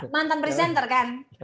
mantan presenter kan